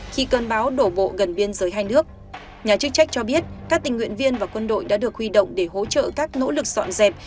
khi cơn bão đổ bộ gần biên giới hai nước nhà chức trách cho biết các tình nguyện viên và quân đội đã được huy động để hỗ trợ các nỗ lực dọn dẹp